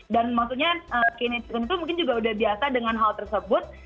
dan maksudnya kinect itu mungkin juga udah biasa dengan hal tersebut